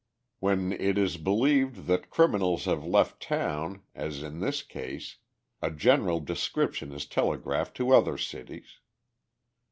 When it is believed that criminals have left town, as in this case, a general description is telegraphed to other cities.